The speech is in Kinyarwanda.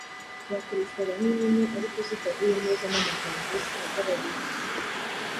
zakoreshwaga nk’impine ariko zidahuye neza n’amagambo zihagarariye.